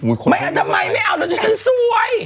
ไม่เอาไม่เอาเอาอะไรวะฉันซวย